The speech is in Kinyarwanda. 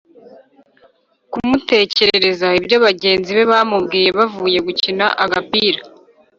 kumutekerereza ibyo bagenzi be bamubwiye bavuye gukina agapira.